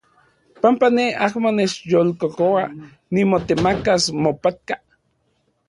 Panpa ne amo nechyolkokoa nimotemakas mopatka.